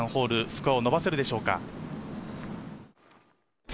スコアを伸ばせるでしょうか？